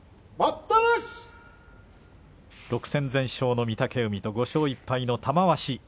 ６戦全勝の御嶽海と５勝１敗の玉鷲。